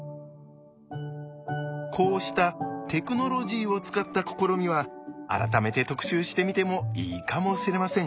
こうしたテクノロジーを使った試みは改めて特集してみてもいいかもしれません。